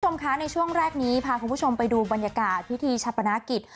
คุณผู้ชมคะในช่วงแรกนี้พาคุณผู้ชมไปดูบรรยากาศพิธีชาปนากิจ